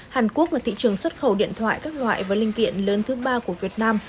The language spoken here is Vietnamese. hàn quốc là thị trường xuất khẩu điện thoại các loại và linh kiện lớn thứ ba của việt nam